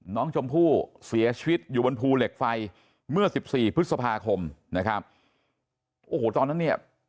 น้องชมพู่เสียชีวิตอยู่บนภูเหล็กไฟเมื่อสิบสี่พฤษภาคมนะครับโอ้โหตอนนั้นเนี่ย